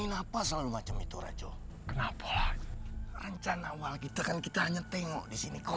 ini apa selalu macam itu raju kenapa rencana awal kita kan kita hanya tengok di sini kok